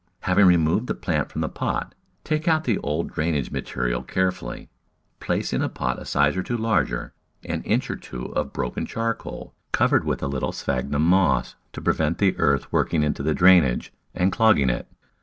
Having removed the plant from the pot, take out the old drainage material carefully, place in a pot a size or two larger an inch or two of broken charcoal covered with a little sphagnum moss to prevent the earth working into the drainage and clogging it.